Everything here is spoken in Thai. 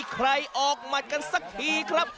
กวกมัดกันสักทีครับ